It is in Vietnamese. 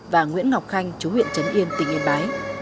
và nguyễn ngọc khanh chú huyện trấn yên tỉnh yên bái